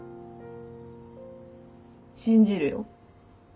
信じるよ。